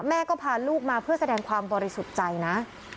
แม่ก็พาลูกมาเพื่อแสดงความบริสุทธิ์ใจนะ